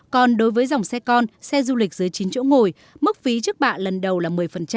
còn đối với dòng xe con xe du lịch dưới chín chỗ ngồi mức phí trước bạ lần đầu là một mươi